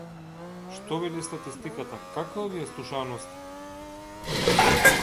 Што вели статистиката, каква ви е слушаноста?